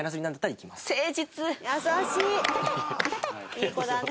いい子だね。